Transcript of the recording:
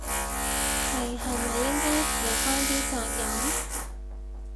你係咪應該負返啲責任？